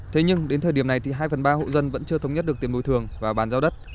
thế nhưng đến thời điểm này thì hai phần ba hộ dân vẫn chưa thống nhất được tiền bồi thường và bàn giao đất